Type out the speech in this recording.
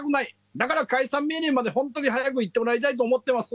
だから解散命令まで、早くいってもらいたいと思っています。